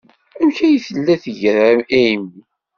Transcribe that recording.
Amek ay tella tga Amy?